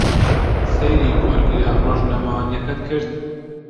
سەیری کۆنگرە ڕۆژنامەوانییەکەت کرد؟